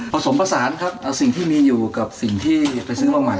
ผสมผสานครับสิ่งที่มีอยู่กับสิ่งที่ไปซื้อมาใหม่